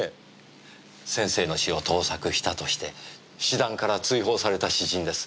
先生の詩を盗作したとして詩壇から追放された詩人です。